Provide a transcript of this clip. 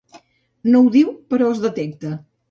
No ho diu, però es detecta.